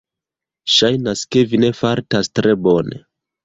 Ŝajnas, ke vi ne fartas tre bone.